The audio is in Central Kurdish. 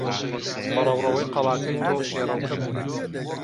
بە ڕەوڕەوەی قەڵاکەی تۆ پێڕەوکە بوون.